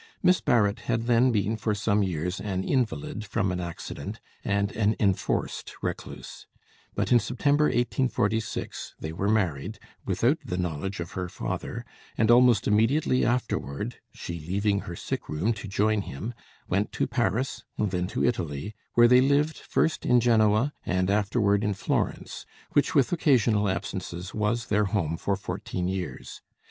Miss Barrett had then been for some years an invalid from an accident, and an enforced recluse; but in September 1846 they were married without the knowledge of her father, and almost immediately afterward (she leaving her sick room to join him) went to Paris and then to Italy, where they lived first in Genoa and afterward in Florence, which with occasional absences was their home for fourteen years.